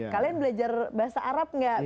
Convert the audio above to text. kalian belajar bahasa arab nggak